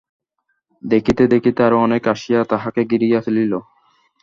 দেখিতে দেখিতে আরাে অনেকে আসিয়া তাঁহাকে ঘিরিয়া ফেলিল।